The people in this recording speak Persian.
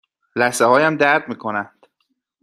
لثه هایم درد می کنند.